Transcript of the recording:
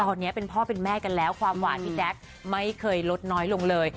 ตอนนี้เป็นพ่อเป็นแม่กันแล้วความหวานพี่แจ๊คไม่เคยลดน้อยลงเลย